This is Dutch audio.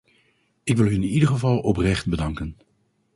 Ik wil u in ieder geval oprecht bedanken.